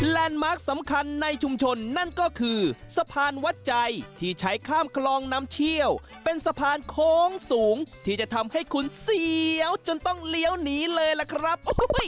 มาร์คสำคัญในชุมชนนั่นก็คือสะพานวัดใจที่ใช้ข้ามคลองน้ำเชี่ยวเป็นสะพานโค้งสูงที่จะทำให้คุณเสียวจนต้องเลี้ยวหนีเลยล่ะครับ